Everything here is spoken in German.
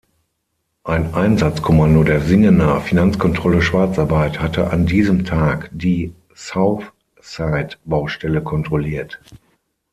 Ein Einsatzkommando der Singener „Finanzkontrolle Schwarzarbeit“ hatte an diesem Tag die Southside-Baustelle kontrolliert.